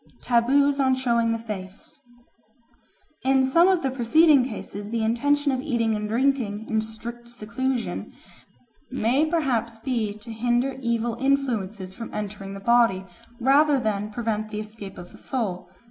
Taboos on Showing the Face IN SOME of the preceding cases the intention of eating and drinking in strict seclusion may perhaps be to hinder evil influences from entering the body rather than to prevent the escape of the soul.